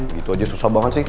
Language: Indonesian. gitu aja susah banget sih